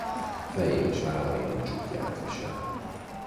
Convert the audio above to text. Fején és vállain csuklyát visel.